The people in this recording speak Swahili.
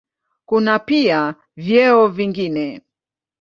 Kuna pia vyeo vingine.